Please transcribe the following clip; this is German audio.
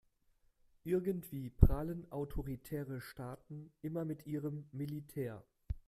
Irgendwie prahlen autoritäre Staaten immer mit ihrem Militär.